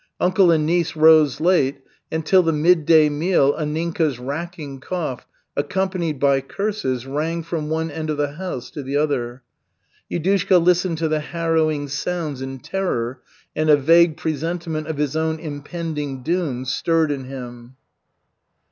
Uncle and niece rose late and till the midday meal Anninka's racking cough, accompanied by curses, rang from one end of the house to the other. Yudushka listened to the harrowing sounds in terror and a vague presentiment of his own impending doom stirred in him.